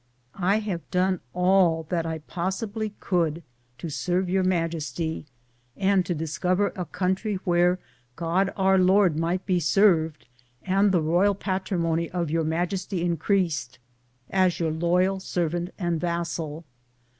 I have done all that I possibly could to serve Your Majesty and to discover a coun try where God Our Lord might be served and the royal patrimony of Your Majesty increased, as your loyal servant and vassal.